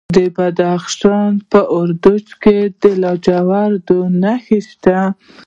د بدخشان په وردوج کې د لاجوردو نښې شته.